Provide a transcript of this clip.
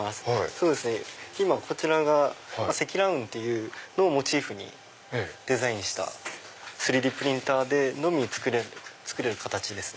今こちらが積乱雲っていうのをモチーフにデザインした３Ｄプリンターでのみ作れる形です。